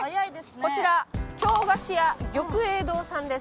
こちら京菓子屋玉英堂さんです。